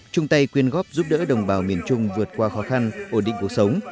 trung tây quyên góp giúp đỡ đồng bào miền trung vượt qua khó khăn ổn định cuộc sống